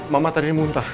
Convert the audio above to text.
mama tadi muntah